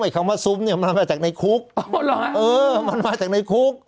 ไอ้คำว่าซุ้มเนี่ยมันมาจากในคุกอ๋อเหรอเออมันมาจากในคุก